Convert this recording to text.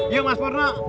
yuk mas purna